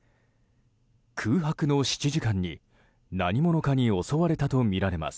空白の７時間に何者かに襲われたとみられます。